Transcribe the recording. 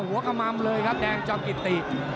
หัวกระม่ำเลยครับแดงจอมกิตติ